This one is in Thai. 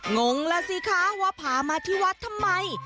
งงแล้วสิคะว่าพามาที่วัดทำไม